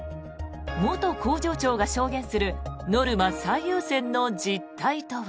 元工場長が証言するノルマ最優先の実態とは。